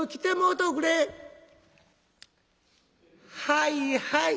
「はいはい。